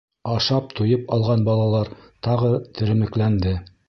Ашап туйып алған балалар тағы теремекләнде.